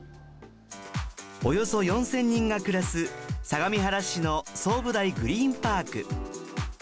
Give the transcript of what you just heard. およそ４０００人が暮らす相模原市の相武台グリーンパーク。